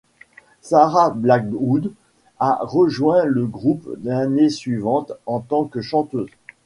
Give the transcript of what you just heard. Sarah Blackwood a rejoint le groupe l'année suivante en tant que chanteuse.